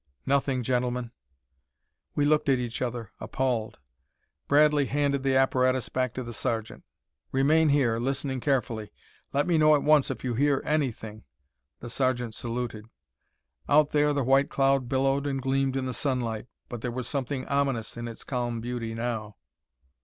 "Nothing, gentlemen." We looked at each other, appalled. Bradley handed the apparatus back to the sergeant. "Remain here, listening carefully. Let me know at once if you hear anything." The sergeant saluted. Out there the white cloud billowed and gleamed in the sunlight. But there was something ominous in its calm beauty now.